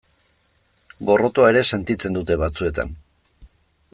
Gorrotoa ere sentitzen dute batzuetan.